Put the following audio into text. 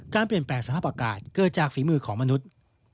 การเปลี่ยนแปลงสภาพอากาศเกิดจากฝีมือของมนุษย์